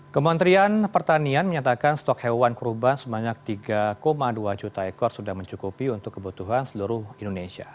kementerian pertanian menyatakan stok hewan kurban sebanyak tiga dua juta ekor sudah mencukupi untuk kebutuhan seluruh indonesia